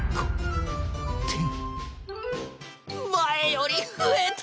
前より増えた！